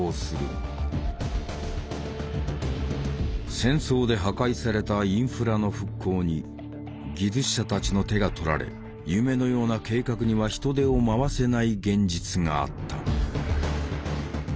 戦争で破壊されたインフラの復興に技術者たちの手がとられ夢のような計画には人手をまわせない現実があった。